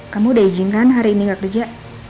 kamu udah izinkan hari ini gak kerja